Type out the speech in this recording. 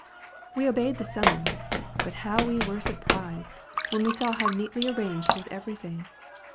We obeyed the summons; but how were we surprised, when we saw how neatly arranged was every thing.